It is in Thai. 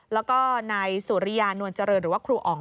แล้วก็นายสุริยานวลเจริญหรือว่าครูอ๋อง